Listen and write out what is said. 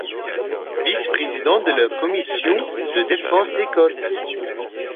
Vice-Président de la Commission de défense des côtes.